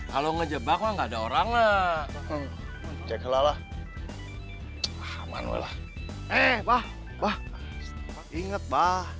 kalau ngejebak nggak ada orangnya ceklala aman lah eh bah bah inget bah